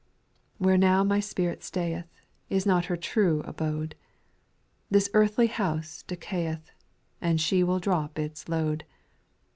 7. Where now my spirit stayeth Is not her true abode ; This earthly house decay eth. And she will drop its load.